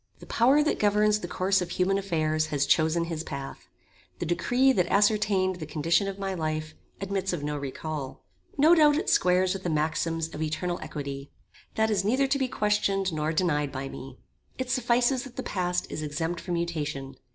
The power that governs the course of human affairs has chosen his path. The decree that ascertained the condition of my life, admits of no recal. No doubt it squares with the maxims of eternal equity. That is neither to be questioned nor denied by me. It suffices that the past is exempt from mutation.